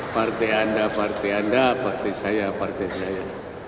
partai anda partai anda partai saya partai saya